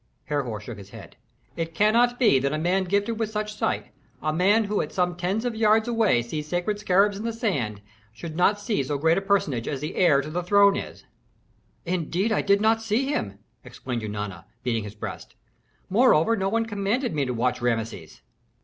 Herhor shook his head. "It cannot be that a man gifted with such sight, a man who at some tens of yards away sees sacred scarabs in the sand, should not see so great a personage as the heir to the throne is." "Indeed I did not see him!" explained Eunana, beating his breast. "Moreover no one commanded me to watch Rameses."